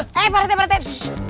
hei perhatian perhatian